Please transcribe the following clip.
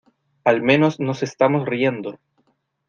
al menos nos estamos riendo.